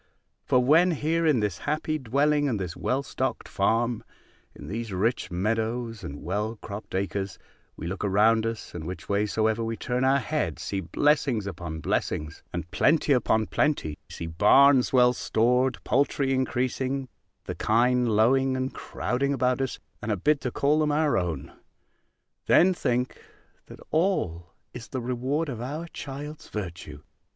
For when here, in this happy dwelling, and this well stocked farm, in these rich meadows, and well cropt acres, we look around us, and which way soever we turn our head, see blessings upon blessings, and plenty upon plenty, see barns well stored, poultry increasing, the kine lowing and crowding about us: and are bid to call them our own. Then think, that all is the reward of our child's virtue!